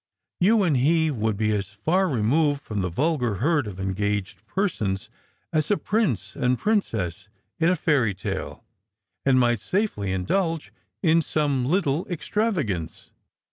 You and he would be as far removed from the vulgar herd of engaged persons as a prince and princess in a fairy tale, and might safely indalge in some httle extravagance."